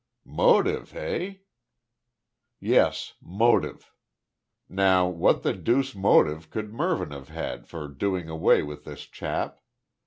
"Motive eh?" "Yes. Motive. Now what the deuce motive could Mervyn have had for doing away with this chap?